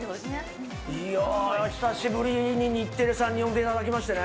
いやー、久しぶりに日テレさんに呼んでいただきましてね。